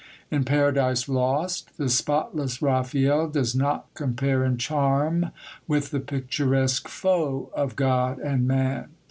In Paradise Lost the spotless Raphael does not compare in charm with the picturesque Foe of God and Man.